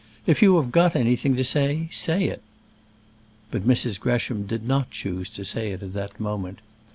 If you have got anything to say, say it." But Mrs. Gresham did not choose to say it at that moment.